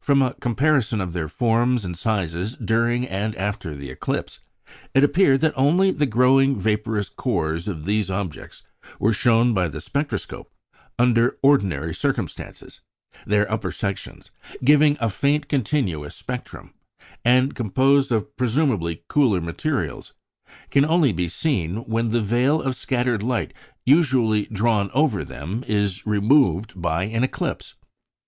From a comparison of their forms and sizes during and after the eclipse, it appeared that only the growing vaporous cores of these objects are shown by the spectroscope under ordinary circumstances; their upper sections, giving a faint continuous spectrum, and composed of presumably cooler materials, can only be seen when the veil of scattered light usually drawn over them is removed by an eclipse.